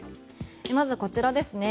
まずこちらですね。